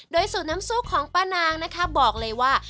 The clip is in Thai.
โดยสูตรน้ำซุปของป้านางนะคะบอกเลยว่า